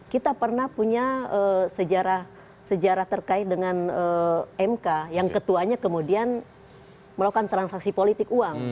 kita pernah punya sejarah terkait dengan mk yang ketuanya kemudian melakukan transaksi politik uang